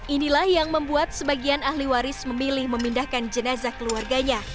inilah yang membuat sebagian ahli waris memilih memindahkan jenazah keluarganya